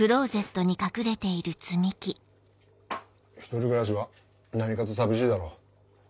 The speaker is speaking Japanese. １人暮らしは何かと寂しいだろ。